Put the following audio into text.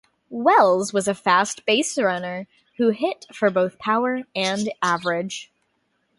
Wells was a fast baserunner who hit for both power and average.